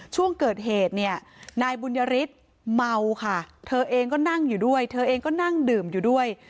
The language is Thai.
ช่วงเกิดเหตุเนี่ยนายบุญยฤทธิ์เมาค่ะเธอเองก็นั่งอยู่ด้วยเธอเองก็นั่งดื่มอยู่ด้วย